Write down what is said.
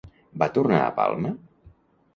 Va tornar a Palma?